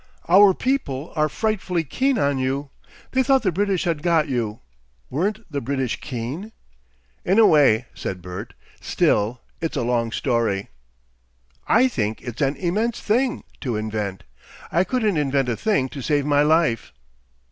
"Our people are frightfully keen on you. They thought the British had got you. Weren't the British keen?" "In a way," said Bert. "Still it's a long story." "I think it's an immense thing to invent. I couldn't invent a thing to save my life."